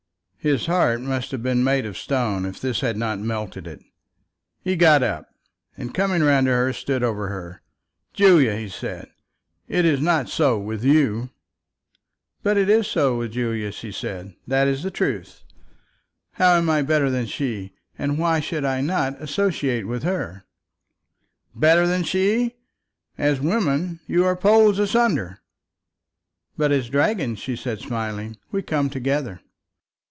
His heart must have been made of stone if this had not melted it. He got up and coming round to her stood over her. "Julia," he said, "it is not so with you." "But it is so with Julia," she said. "That is the truth. How am I better than her, and why should I not associate with her?" "Better than her! As women you are poles asunder." "But as dragons," she said, smiling, "we come together."